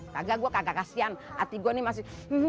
kagak gua kagak kasihan ati gua nih masih